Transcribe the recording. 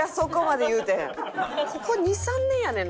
ここ２３年やねんな